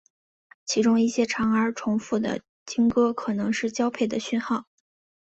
其中一些长而重复的鲸歌可能是交配的讯号。